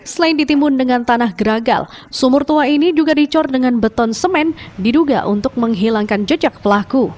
selain ditimbun dengan tanah geragal sumur tua ini juga dicor dengan beton semen diduga untuk menghilangkan jejak pelaku